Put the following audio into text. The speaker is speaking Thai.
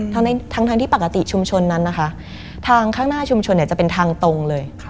ทั้งที่ปกติชุมชนนั้นนะคะทางข้างหน้าชุมชนเนี่ยจะเป็นทางตรงเลย